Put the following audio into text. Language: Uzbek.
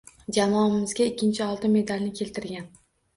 Jamoamizga ikkinchi oltin medalini keltirgan